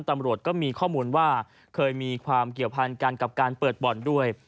ตำรวจก็มีข้อมูลว่าเคยมีความเกี่ยวพันกันกับการเปิดบ่อนด้วย